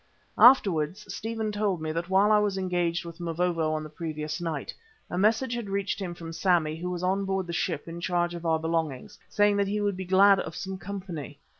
Afterwards Stephen told me that while I was engaged with Mavovo on the previous night, a message had reached him from Sammy who was on board the ship in charge of our belongings, saying that he would be glad of some company.